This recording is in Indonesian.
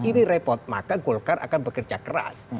ini repot maka golkar akan bekerja keras